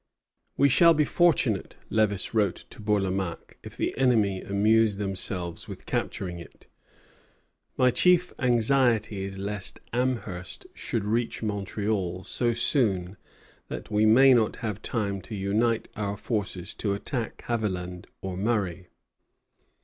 "We shall be fortunate," Lévis wrote to Bourlamaque, "if the enemy amuse themselves with capturing it. My chief anxiety is lest Amherst should reach Montreal so soon that we may not have time to unite our forces to attack Haviland or Murray."